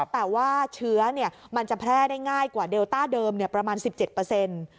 แต่ว่าเชื้อมันจะแพร่ได้ง่ายกว่าเดลต้าเดิมประมาณ๑๗เปอร์เซ็นต์